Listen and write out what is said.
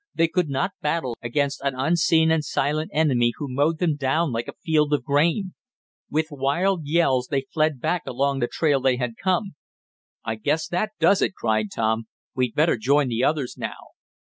They could not battle against an unseen and silent enemy who mowed them down like a field of grain. With wild yells they fled back along the trail they had come. "I guess that does it!" cried Tom. "We'd better join the others now."